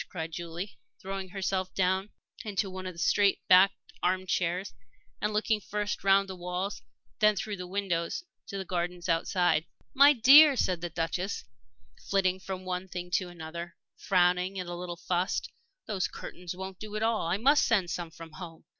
cried Julie, throwing herself down into one of the straight backed arm chairs and looking first round the walls and then through the windows to the gardens outside. "My dear," said the Duchess, flitting from one thing to another, frowning and a little fussed, "those curtains won't do at all. I must send some from home."